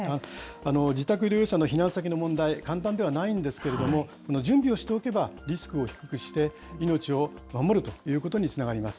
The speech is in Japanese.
自宅療養者の避難先の問題、簡単ではないんですけれども、準備をしておけばリスクを低くして命を守るということにつながります。